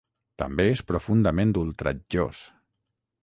També és profundament ultratjós.